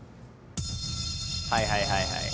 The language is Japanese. はいはいはいはい。